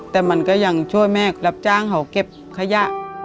แต่มันก็ยังช่วยแม่รับจ้างเขาเก็บขยะ